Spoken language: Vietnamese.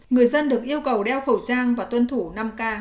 người dân được yêu cầu đeo khẩu trang và tuân thủ năm k